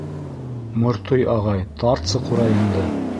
Мортой ағай, тартсы ҡурайыңды